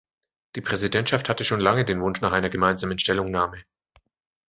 Die Präsidentschaft hatte schon lange den Wunsch nach einer gemeinsamen Stellungnahme.